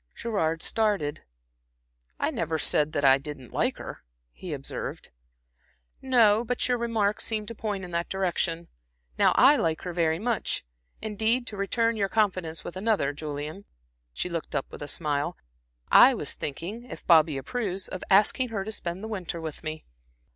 Gerard started. "I never said that I didn't like her," he observed. "No, but your remarks seemed to point in that direction. Now I like her very much. Indeed, to return your confidence with another, Julian" she looked up with a smile "I was thinking, if Bobby approves, of asking her to spend the winter with me.